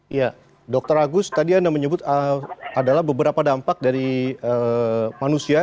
iya dr agus tadi anda menyebut adalah beberapa dampak dari manusia